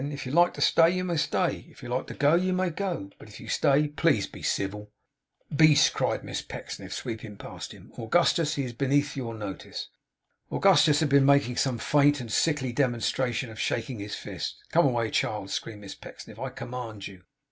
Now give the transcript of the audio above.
If you like to stay, you may stay. If you like to go, you may go. But if you stay, please to be civil.' 'Beast!' cried Miss Pecksniff, sweeping past him. 'Augustus! He is beneath your notice!' Augustus had been making some faint and sickly demonstration of shaking his fist. 'Come away, child,' screamed Miss Pecksniff, 'I command you!